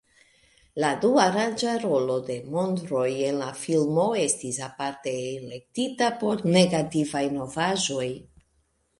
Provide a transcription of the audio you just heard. La duaranga rolo de Monroe en la filmo estis aparte elektita por negativaj novaĵoj.